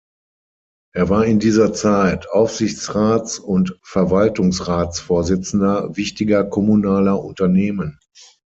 Er war in dieser Zeit Aufsichtsrats- und Verwaltungsratsvorsitzender wichtiger kommunaler Unternehmen.